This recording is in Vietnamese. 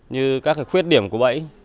như các cái khuyết điểm của bẫy